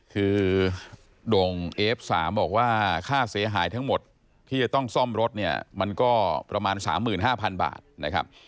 คือโด่งเอฟ๓บอกว่าค่าเสียหายทั้งหมดที่จะต้องซ่อมรถเนี่ยมันก็ประมาณ๓๕๐๐๐บาทนะครับ